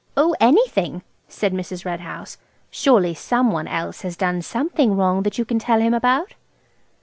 "Oh, anything," said Mrs. Red House; "surely some one else has done something wrong that you can tell him about?"